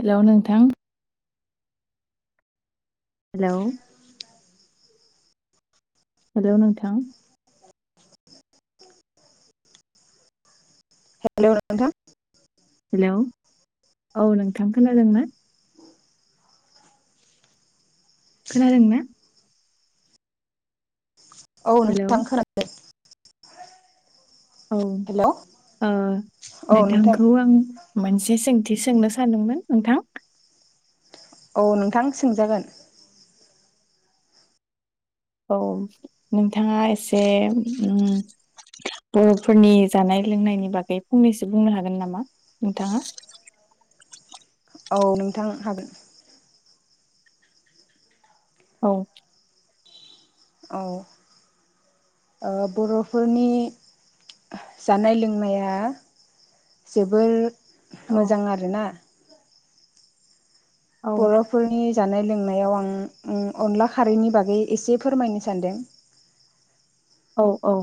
Hello नोंथां hello hello नोंथां hello नोंथां हेलौ औ नोंथां खोनादोंना? खोनादों ना? औ हेलौ नोंदां खोनादों औ हेलौ ओ औ नोंथां नोंथांखौ आं मोनसे सोंथि सोंनो सानदोंमोन नोंथां औ नोंथां सोंजागोन औ नोंथाङा एसे उम बरफोरनि जानाय लोंनायनि बागै फंनैसो बुंनो हागोन नामा नोंथाङा [inaudible] औ नोंथां हागोन औ औ बर'फोरनि जानाय लोंनाया जोबोर औ मोजां आरोना औ बर'फोरनि जानाय लोंनाय नायाव आं उम अनला खारैनि बागै एसे फोरमायनो सानदों औ औ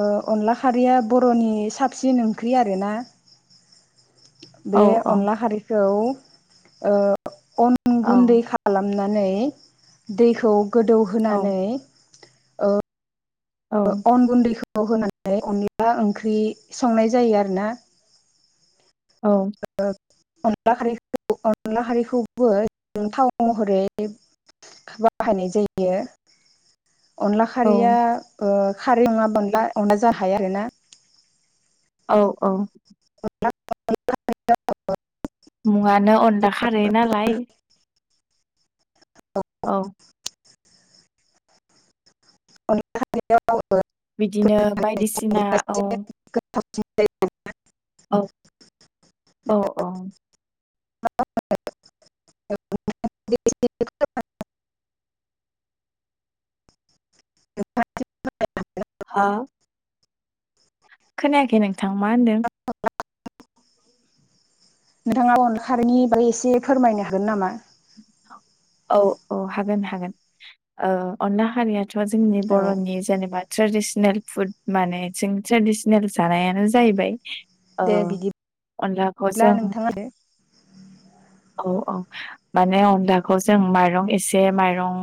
ओ अनला खारैया बर'नि साबसिन ओंख्रि आरोना औ बे अनला खारैखौ ओ अन औ गुन्दै खालामना नानै दैखौ गोदौ औ होनानै अन गुन्दै खौ होनानै अनदला ओंख्रि संनाय जायो आरोना औ [unintelligible] बाहायनाय जायो अनला औ खारैया ओ खारै नङा अनला अनला जाखाया आरोना औ औ [unintelligible] मुंङानो अनला खारो नालाय औ बिदिनो [unintelligible] बायदिसिना औ [unintelligible] औ औ औ [unintelligible] [unintelligible] हा खोनायाखै नोंथां? मा होनदों नोंथाङा अन खारनि बागै एसे फोरमायनो हागोन नामा औ औ हागोन हागोन अन्ना हारिया ' जोंनि औ बरनि जेनेबा ट्रेडिसनेल फुद माने जों ट्रेडिसनेल जानायानो जाहैबाय दे बिदिब्ला अनलाखौ जों नोंथाङा दे औ माने अनलाखौ जों माइरं एसे माइरं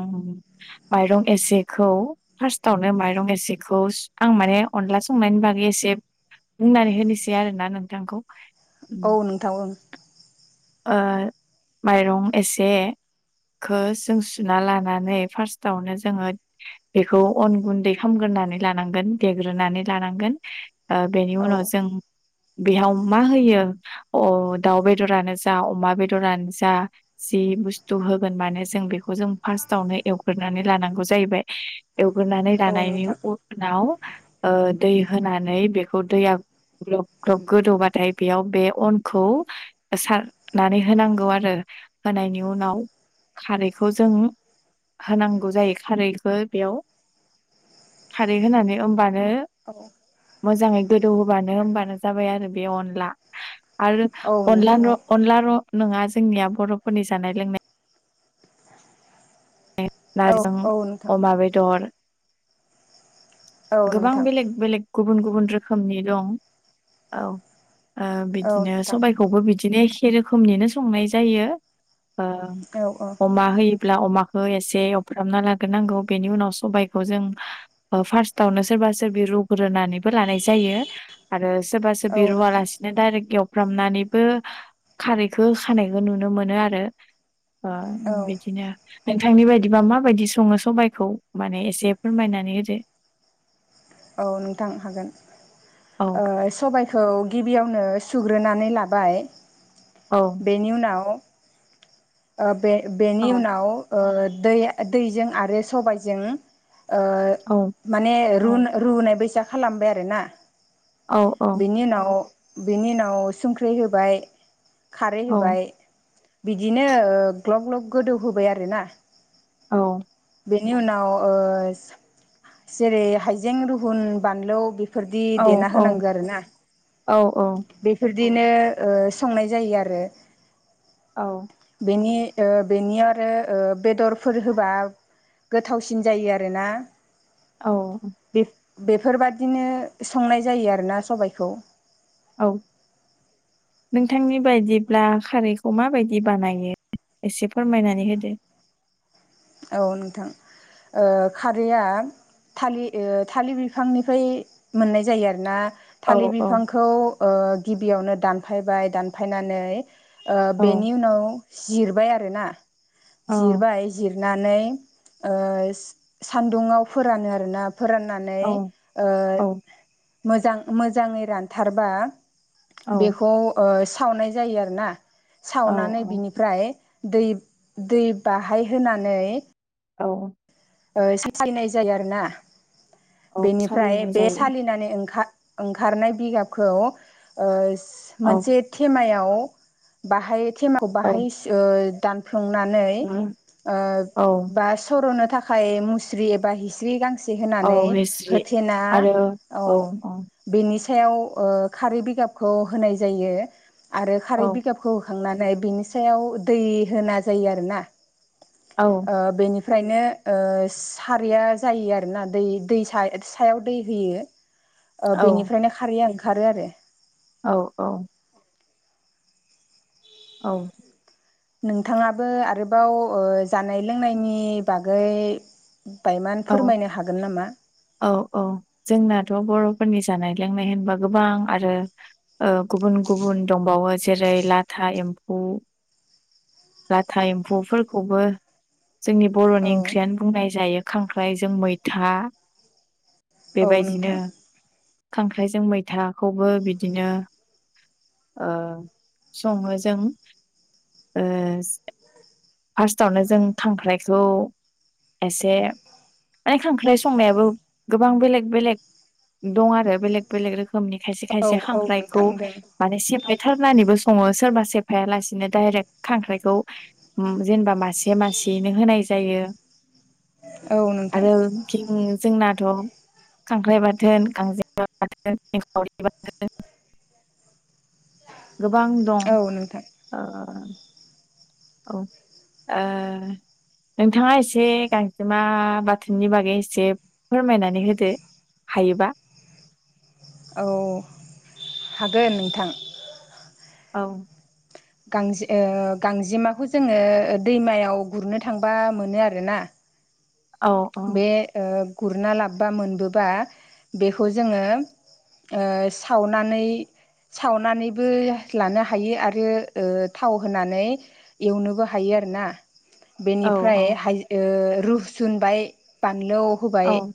माइरं एसेखौ फार् फार्स्टावनो माइरं एसेखौ आं माने अनला संनायनि बागै एसे बुंनानै होनोसै आरोना नोंथांखौ उम औ नोंथां ओ ओ माइरं एसे खौ जों सुना लानानै फार्स्टावनो जोङो बेखौ अन गुन्दै खालामगोन नानै लानांगोन देग्रोनानै लानांगोन ओ बेनि औ उनाव जों बेयाव मा होयो अ दाउ बेदरानो जा अमा बेदरानो जा जि बुस्थु होगोन मानो जों बेखौ जों फार्स्टावनो एवग्रोनो लानांगौ जाहैबाय एवग्रोनानै औ लानायनि नोंथां उनाव ओ दै होनानै बेखौ दैया ग्लब ग्लब गोदौबाथाय बेयाव बे अनखौ सार नानै होनांगौ आरो। होनायनि उनाव खारैखौ जों होनांगौ जायो खारैखौ बेयाव खारै होनानै होमबानो औ। मोजाङै गोदौ होबानो होनबानो जाबाय आरो बे अनला। आरो औ अनला नोंथां औ न' नङा जोंनिया बर'फोरनि जानाय लोंनाय औ नारजिजों औ नोंथां अमा बेदर औ गोबां नोंथां बेलेग बेलेग गुबुन गुबुन रोखोमनि दं। औ। ओ औ बिदिनो नोंथां सबायखौबो बिदिनो एखे रोखोमनिनो संनाय जायो। ओ औ औ अमा होयो अब्ला अमाखौ एसे अब्रामना लाग्रोनांगौ बेनि उनाव सबायखौ जों फार्स्ट थावनो सोरबा सोरबि रुग्रोनानैबो लानाय जायो आरो सोरबासो औ सोरबि नोंथां रुवालासिनो दाइरेक्ट एव फ्रामनानैबो खारैखौ होखानायखौ नुनो मोनो आरो। ओ औ बिदिनो नोंथांनि बायदिबा माबायदि सङो सबायखौ माने एसे फोरमायनानै होदो-? औ नोंथां हागोन। औ ओ सबाय खौ गिबियावनो सुग्रोनानै लाबाय औ बेनि उनाव ओ बे-बेनि उनाव ओ दै दैजों आरो सबायजों ओ माने रुना रुनाय बायसा खालामबाय आरोना बेनि उनाव बेनि उनाव संख्रि होबाय खारै होबाय बिदिनो ग्लब ग्लब गोदौ होबाय आरोना औ। बेनि उनाव ओ जेरै हायजें रुहुन बानलु बेफोरदि औ देना होनांगौ आरोना? औ बेफोर बिदिनो संनाय जायो आरो औ। बेनि ओ बेनि आरो ओ बेदरफोर होबा गोथावसिन जायो आरोना। औ। बेफोरबादिनो संनाय जायो आरोना सबायखौ। औ नोंथांनि बायदिब्ला खारैखौ माबायदि बानायो? एसे फोरमायनानै होदो? औ नोंथा। खारैया थालि थालिर बिफांनिफ्राय मोननाय जायो आरो ना औ थालिर औ बिफांखौ गिबियावनो दानफायबाय दानफायनानै औ बेनि उनाव जिरबाय आरो ना जिरबाय जिर नानै सान्दुंआव फोरानो आरोना औ फोराननानै ओ मोजां मोजाङै रानथारबा औ बेखौ सावनाय जायो आरो ना औ सावनानै बिनिफ्राय दै दै बाहाय होनानै औ ओ सालिनाय जायो आरोना औ बेनिफ्राय सालिनाय बे जायो सालिनानै ओंखा ओंखारनाय बिगाबखौ औ मोनसे थेमायाव बाहाय थिमाव औ बाहायस ओ संनानै ओ औ बा स'रनो थाखाय मुस्रि एबा हिस्रि गां से औ होनानै हिस्रि होथेना आरो औ बिनिस सायाव ओ खारै बिगाबखौ होनाय जायो आरो औ खारै बिगाबखौ खांनानै बिनि सायाव दै होना जोयो आरोना औ ओमफ्रायनो सारैया जायो आरोना दै दै सायाव दै होयो ओ बेनिफ्रायनो खारैया ओंखारो आरो औ औ । औ। नोंथाङाबो आरोबाव जानाय लोंनायनि बागै बायमान औ फोरमायनो हागोन नामा औ औ जोंना थ' बर'फोरनि जानाय लोंनाय होनबा गोबां आरो गुबुन गुबुन दंबावो जेरै यै लाथा एम्फौ लाथा एम्फौफोरखौबो जोंनि बर'नि औ ओंख्रियानो बुंनाय जायो खांख्राइजों मैथा औ बेबायदिनो नोंथां खांख्राइजों मैथाखौबो बिदिनो ओ सङो जों फार्स्टआवनो जों खांख्राइखौ एसे माने खांख्राय संनायाबो गोबां बेलेग बेलेग दं आरो बेलेग बेलेग रोखोम खोमनि खायसे औ खायसे औ खांख्रायखौ नोंथां दों माने सिफाय बुथारनानैबो सङो सोरबा सेफाया लासिनो डाइरेक्ट खांख्राइखौ जेनेबा मासे मासे सेयैनो होनाय जायो । औ नोंथां आरो जोंना थ' खांख्राइ बाथोन गांजेा बाथोन एंखावरि बाथोन गोबां दं औ नोंथां औ ओ नोंथाङा एसे गांजेमा बाथोननि बागै एसे फोरमायनानै होदो हायोबा औ हागोन नोंथां। औ। गांजे ओ गांजेमाखौ जोङो ओ दैमायाव गुरनो थांबा मोनो आरोना। औ औ बे गुरना लाबबा मोनबोबा बेखौ जोङो ओ सावनानै सावनानैबो लानो हायो आरो ओ थाव होनानै एवनोबो हायो आरोना औ बेनिफ्राय औ हाय ओ रुसुनबाय बानलौ होबाय औ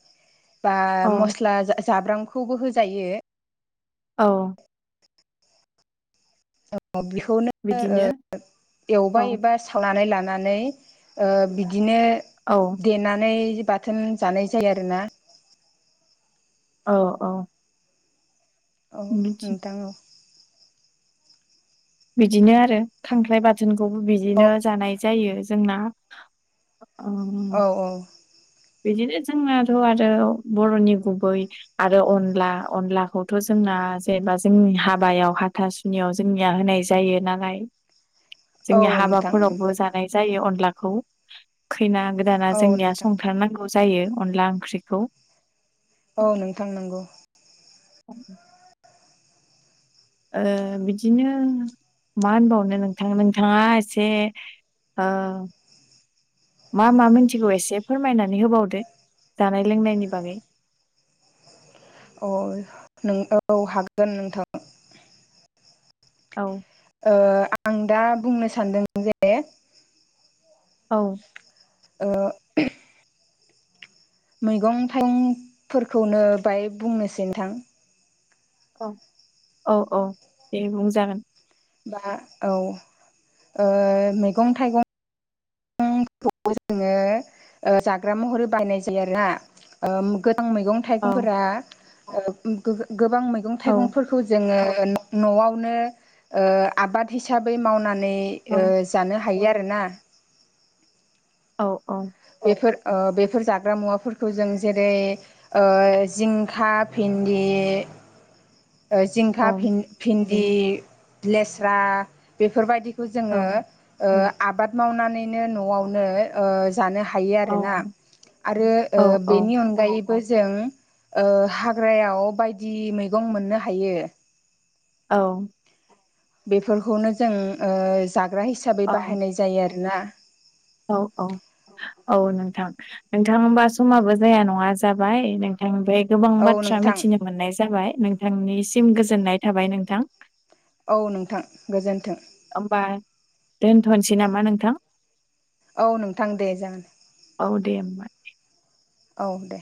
बा औ मस्ला जाब्रांखौबो होजायो औ बेखौनो बिदिनो एवबाय औ एबा सावनानै लानानै नानै ओ बिदिनो औ देनानै बाथोन जानाय जायो आरोना औ औ औ बिदि नोंथां औ बिदिनो आरो खांख्राइ बाथोनखौबो औ बिदिनो जानाय जायो जोंना औ ओम, औ बिदिनो जोंनाथ' आरो बर'नि गुबै आरो अनला अनलाखौथ' जों जों जेनेबा जोंनि हाबायाव हाथासुनियाव जोंनिया होनाय जायो नालाय औ जोंनि नोंथां हाबाफोरावबो जानाय जायो अनलाखौ खैना गोदाना औ जोंनिया नोंथां संथारनांगौ जायो अनला ओंख्रिखौ औ नोंथां नोंगौ अ ओ बिदिनो मा होनबावनो नोंथां नोंथाङा एसे ओ मा मा मिथिगौ एसे फोरमायनानै होबावदो ।जानाय लोंनायनि बागै [inaudible] अ नों औ हागोन नोंथां औ ओ आं दा बुंनो सानदों जे औ ओ मैगं थाइगंफोरखौनो बाहाय बुंनोसै नोंथां औ औ औ दे बुंजागोन। बा औ ओ मैगं थाइगं मैगं थाइगंखौबो जोंङो ओ जाग्रा महरै बायनाय जायो आरोना ओ गो थां मैगं औ थाइगंफोरा गोबां मैगं औ थाइगंफोरखौ जोङो न'आवनो ओ आबाद हिसाबै मावनानै औ ओ जानो हायो हायो आरोना औ औ बे ओ बेफोर जाग्रा मुवाफोरखौ जों जेरै ओ जिंखा बिन [unintelligible] [inaudible] औ जिंखा भिन्दि लेस्रा बेफोरबायदि जोङो ओ आबाद मावनानैनो न'आवनो ओ जानो हा हायो औ आरोना आरो ओ औ बेनि अनगायै बो जों ओ हाग्रायाव बायदि मैगं मोननो हायो औ बेफोरखौनो जों ओ जाग्रा हिसाबै बाहायनाय जायो आरोना औ औ औ नोंथां नोंथांबा समाबो जाया नङा जाबाय नोंथांनिफ्राय गोबां औ बाथ्रा नोंथां मिथिनो मोननाय जाबाय नोंथांनिसिम गोजोननाय थाबाय नोंथां। औ नोंथां गोजोन्थों। होमबा दोनथ'नोसै नामा नोंथां औ नोंथां दे जागोन। औ दे होमबा औ दे।